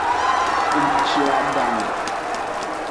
E je adangu.